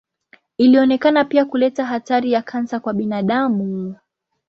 Ilionekana pia kuleta hatari ya kansa kwa binadamu.